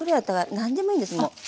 何でもいいんですもう。